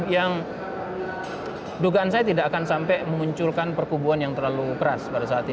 yang dugaan saya tidak akan sampai memunculkan perkubuan yang terakhir